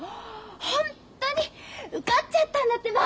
ホンットに受かっちゃったんだってば！